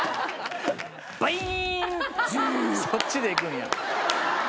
そっちでいくんや。